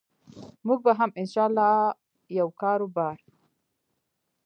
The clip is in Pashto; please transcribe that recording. موږ به هم إن شاء الله یو کاربار